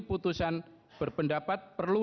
putusan berpendapat perlu